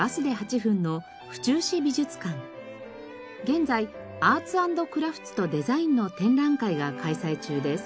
現在「アーツ・アンド・クラフツとデザイン」の展覧会が開催中です。